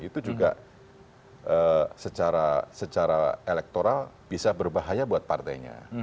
itu juga secara elektoral bisa berbahaya buat partainya